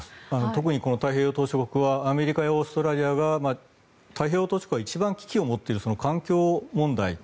特に太平洋島しょ国はアメリカやオーストラリアが太平洋島しょ国は一番危機を持っている環境問題。